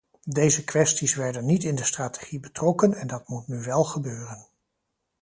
Deze kwesties werden niet in de strategie betrokken en dat moet nu wel gebeuren.